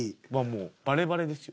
もうバレバレですよ。